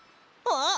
ああ！